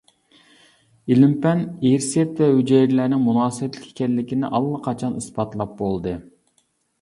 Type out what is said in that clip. ئىلىم-پەن ئىرسىيەت ۋە ھۈجەيرىلەرنىڭ مۇناسىۋەتلىك ئىكەنلىكىنى ئاللىقاچان ئىسپاتلاپ بولدى.